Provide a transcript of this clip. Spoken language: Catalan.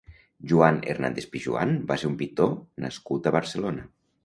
Joan Hernàndez Pijuan va ser un pintor nascut a Barcelona.